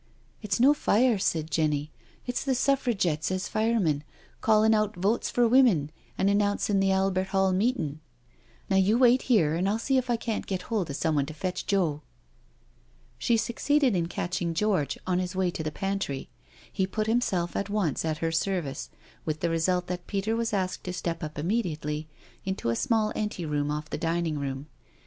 It's no fire," said Jenny. " It's the Suffragettes as firemen, callin' out ' Votes for Women,' and an nouncing the Albert Hall meeting. Now, you wait here and I'll see if I can't get hold of someone to fetch Joe." She succeeded in catching George, on his way to the pantry. He put himself at once at her service, with' the result that Peter was asked to step up inunediately. into a small ante room off the dining room.